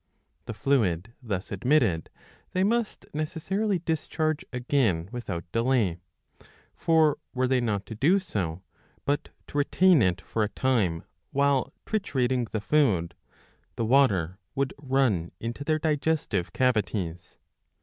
The fluid, thus admitted, they must necessarily discharge again without delay. For were they not to do so, but to retain it for 662 a. 111. I. 59 a time while triturating the food, the water would run into their digestive cavities.